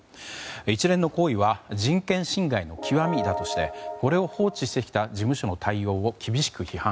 一連の行為は人権侵害の極みだとしてこれを放置してきた事務所の対応を厳しく批判。